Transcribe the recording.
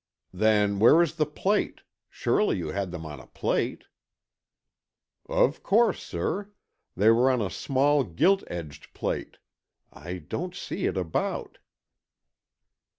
"Then where is the plate? Surely you had them on a plate." "Of course, sir. They were on a small gilt edged plate. I don't see it about."